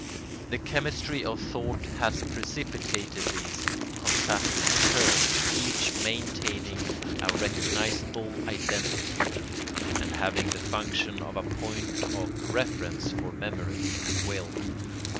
The chemistry of thought has precipitated these contrasted terms, each maintaining a recognisable identity and having the function of a point of reference for memory and will.